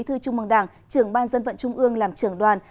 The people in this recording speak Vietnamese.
thư chung bằng đảng trưởng ban dân vận trung ương làm trưởng đoàn